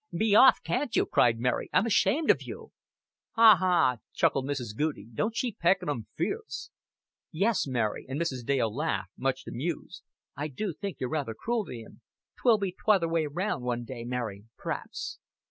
"Be off, can't you?" cried Mary. "I'm ashamed of you." "Haw, haw," chuckled Mrs. Goudie. "Don't she peck at un fierce." "Yes, Mary," and Mrs. Dale laughed, much amused. "I do think you're rather cruel to him." "'Twill be t'other way roundabout one day, Mary, preaps."